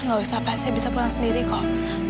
nggak usah apa saya bisa pulang sendiri kok